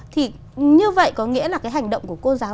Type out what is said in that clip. thì như vậy có nghĩa là cái hành động của cô giáo